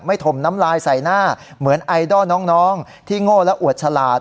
ถมน้ำลายใส่หน้าเหมือนไอดอลน้องที่โง่และอวดฉลาด